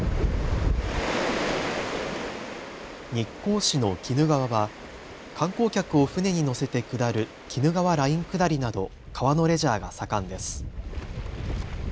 日光市の鬼怒川は観光客を船に乗せて下る鬼怒川ライン下りなど川のレジャーが盛んです。